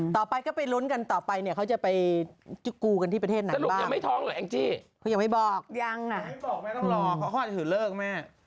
ไม่บอกแม่ต้องรอเขาอาจถือเลิกแม่